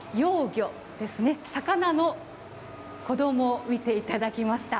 魚の子どもを見ていただきました。